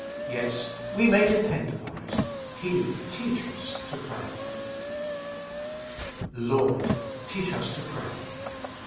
Yes, we may depend upon it, He teaches to pray. " ZcT^, teach us to pray."